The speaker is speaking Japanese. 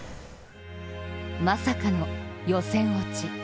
まさかの予選落ち。